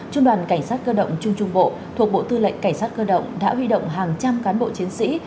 trung đoàn cảnh sát cơ động trung trung bộ thuộc bộ tư lệnh cảnh sát cơ động đã huy động hàng trăm cán bộ chiến sĩ